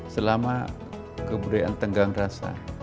selama kebudayaan tenggang rasa